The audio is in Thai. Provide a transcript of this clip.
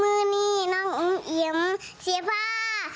มื้อนี้น้องอุ่มอิ่มเสียบ้า